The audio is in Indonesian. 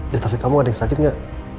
ya tapi kamu ada yang sakit gak